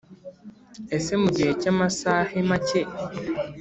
Ese mu gihe cy'amasahe make.